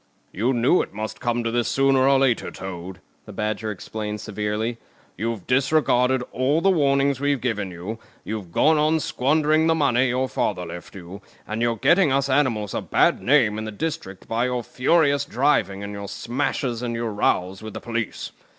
"You knew it must come to this, sooner or later, Toad," the Badger explained severely. You've disregarded all the warnings we've given you, you've gone on squandering the money your father left you, and you're getting us animals a bad name in the district by your furious driving and your smashes and your rows with the police.